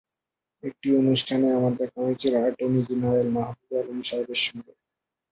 একটি অনুষ্ঠানে আমার দেখা হয়েছিল অ্যাটর্নি জেনারেল মাহবুবে আলম সাহেবের সঙ্গে।